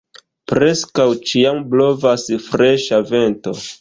Preskaŭ ĉiam blovas freŝa vento.